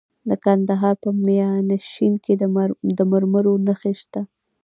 د کندهار په میانشین کې د مرمرو نښې شته.